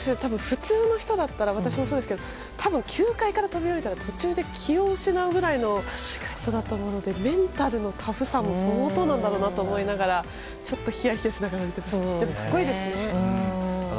普通の人だったら私もそうですけど多分９階から飛び降りたら途中で気を失うぐらいだと思うのでメンタルのタフさも相当なんだろうなと思いながらちょっとひやひやしながら見ていました。